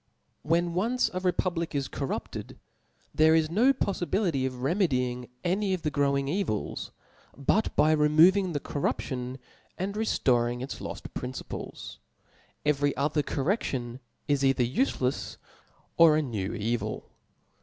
When once a republic is corrupted, there is no jpoffibility of remedying any of the growing evils, but by removing the corruption and reftoring its loft {>rinciples; every other correftion is either ufclcfs or a new evil.